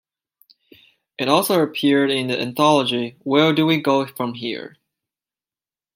It also appeared in the anthology Where Do We Go from Here?